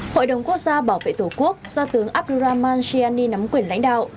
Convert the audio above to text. hội đồng quốc gia bảo vệ tổ quốc do tướng abdurahman chiani nắm quyền lãnh đạo